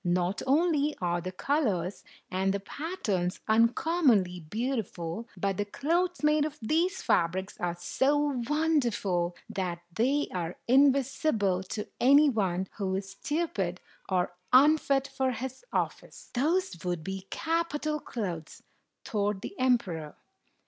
Not only are the colors and the pat terns uncommonly beautiful, but the clothes made of these fabrics are so wonderful that they are invisible to any one who is stupid or unfit for his office." "Those would be capital clothes!" thought the emperor.